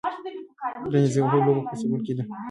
د نیزه وهلو لوبه په سویل کې ده